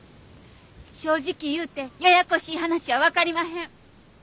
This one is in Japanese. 正直言うてややこしい話は分かりまへん。